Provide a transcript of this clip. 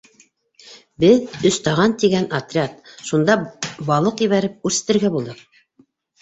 Беҙ - «Өс таған» тигән отряд - шунда балыҡ ебәреп үрсетергә булдыҡ.